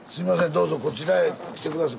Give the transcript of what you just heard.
どうぞこちらへ来てください。